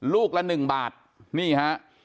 ลูกละหนึ่งบาทนี่ฮะ